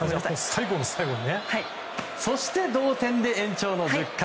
そして同点で延長１０回。